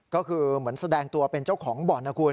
ก็คือเหมือนแสดงตัวเป็นเจ้าของบ่อนนะคุณ